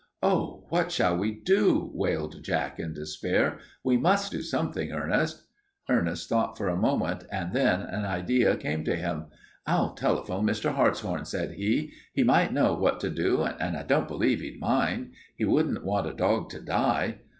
"Oh, what shall we do?" wailed Jack in despair. "We must do something, Ernest." Ernest thought for a moment, and then an idea came to him. "I'll telephone Mr. Hartshorn," said he. "He might know what to do, and I don't believe he'd mind. He wouldn't want a dog to die."